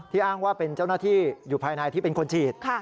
อ้างว่าเป็นเจ้าหน้าที่อยู่ภายในที่เป็นคนฉีด